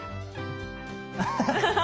アハハッ。